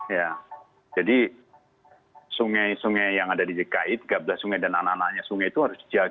ya jadi sungai sungai yang ada di dki tiga belas sungai dan anak anaknya sungai itu harus dijaga